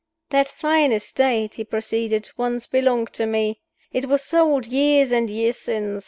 "That fine estate," he proceeded, "once belonged to me. It was sold years and years since.